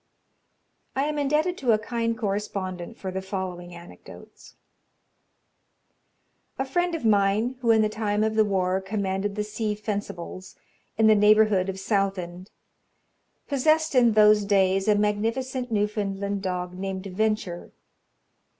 I am indebted to a kind correspondent for the following anecdotes: "A friend of mine, who in the time of the war commanded the Sea Fencibles, in the neighbourhood of Southend, possessed in those days a magnificent Newfoundland dog, named Venture.